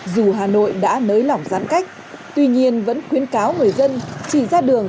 dù hà nội đã nới lỏng giãn cách tuy nhiên vẫn khuyến cáo người dân chỉ ra đường